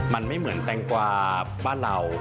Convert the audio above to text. มันไม่เหมือนแตงกวาบ้านเรา